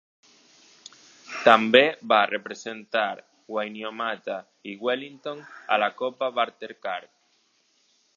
També va representar Wainuiomata i Wellington a la Copa Bartercard.